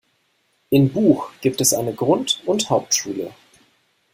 In Buch gibt es eine Grund- und Hauptschule.